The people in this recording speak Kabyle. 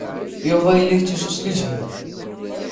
Yuba yella yettusu s ljehd.